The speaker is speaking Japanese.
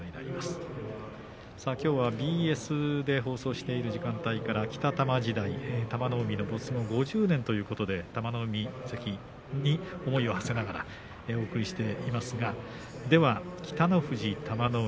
きょうはＢＳで放送している時間帯から北玉時代玉の海の没後５０年ということで玉の海関に思いをはせながらお送りしていますがでは北の富士、玉の海